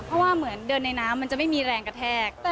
เพราะว่าเหมือนเดินในน้ำมันจะไม่มีแรงกระแทก